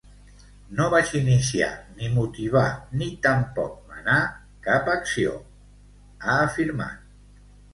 “No vaig iniciar, ni motivar, ni tampoc manar cap acció”, ha afirmat.